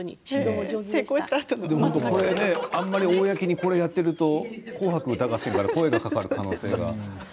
あまり公にこれをやっていると「紅白歌合戦」から声がかかる可能性が。